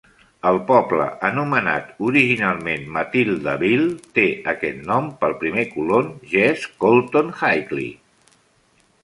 El poble, anomenat originalment Matildaville, té aquest nom pel primer colon Jesse Colton Higley.